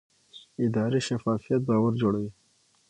اداري شفافیت باور جوړوي